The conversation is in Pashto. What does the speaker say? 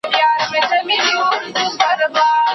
له سهاره تر ماښامه ګرځېدل وه